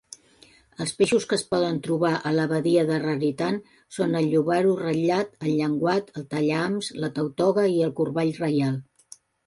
Els peixos que es poden trobar a la badia de Raritan són el llobarro ratllat, el llenguat, el tallahams, la tautoga i el corball reial.